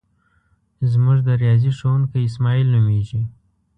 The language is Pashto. زمونږ د ریاضی ښوونکی اسماعیل نومیږي.